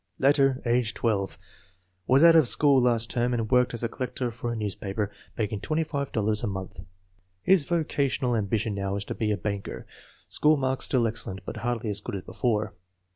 Later, age Id. Was out of school last term and worked as collector for a newspaper, making $25 a month. His vocational ambition now is to be a banker. School marks still excellent, but hardly as good as before.